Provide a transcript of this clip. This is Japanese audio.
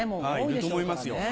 いると思いますよ。